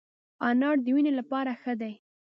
انار د وینې لپاره ښه دی